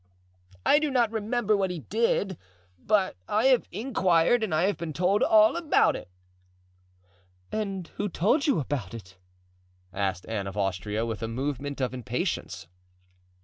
"I do not remember what he did, but I have inquired and I have been told all about it." "And who told you about it?" asked Anne of Austria, with a movement of impatience.